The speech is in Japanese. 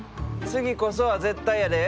次こそは絶対やで。